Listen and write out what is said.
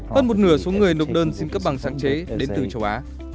hơn một nửa số người nộp đơn xin cấp bằng sáng chế đến từ châu á